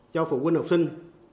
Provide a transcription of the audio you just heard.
cho phụ huynh học sinh